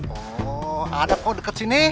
oh ada kok dekat sini